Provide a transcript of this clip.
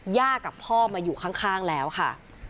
กับพ่อมาอยู่ข้างแล้วค่ะ